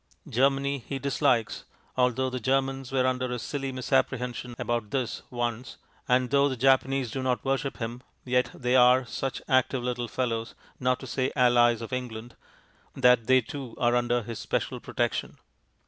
Germany He dislikes (although the Germans were under a silly misapprehension about this once), and though the Japanese do not worship Him, yet they are such active little fellows, not to say Allies of England, that they too are under His special protection.